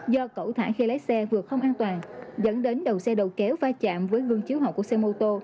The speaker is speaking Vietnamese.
do cẩu thả khi lấy xe vượt không an toàn dẫn đến đầu xe đầu kéo pha chạm với gương chiếu hỏng của xe mô tô